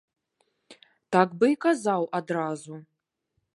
Так бы і казаў адразу.